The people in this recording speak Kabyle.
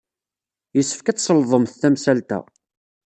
Yessefk ad tselḍemt tamsalt-a.